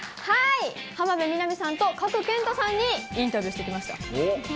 浜辺美波さんと賀来賢人さんにインタビューしてきました。